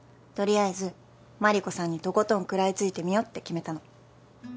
取りあえず万里子さんにとことん食らいついてみようって決めたの。